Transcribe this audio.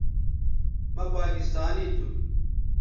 مہ پاکستانی تھو